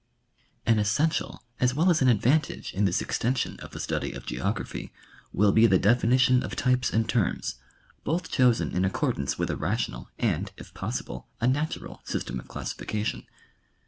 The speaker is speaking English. An essential as well as an advantage in this extension of the study of geography will be the definition of types and terms, both chosen in accordance with a rational and if possible a natural system of classification.